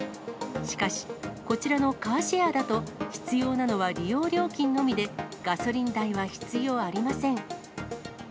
しかし、こちらのカーシェアだと、必要なのは利用料金のみで、ガソリン代は必要ありません。